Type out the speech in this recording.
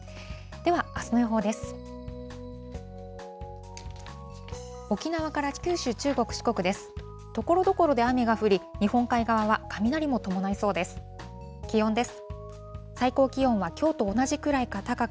では、あすの予報です。